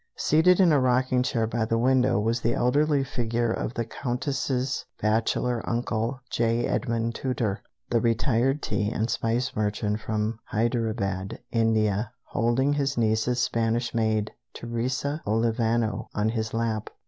Seated in a rocking chair by the window was the elderly figure of the Countess's bachelor uncle, J. Edmund Tooter, the retired tea and spice merchant from Hyderabad, India, holding his niece's Spanish maid, Teresa Olivano, on his lap.